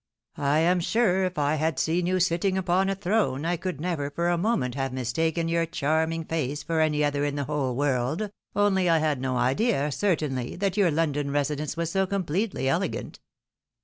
I am sure if I had seen you sitting upon a throne, I could never for a moment have mistaken your charming face for any in the whole world ;— only I had no idea, certainly, that your Loudon residence was so completely elegant."